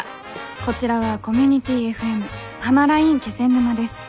こちらはコミュニティＦＭ「はまらいん気仙沼」です。